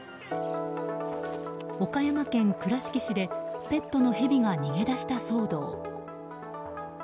岡山県倉敷市でペットのヘビが逃げ出した騒動。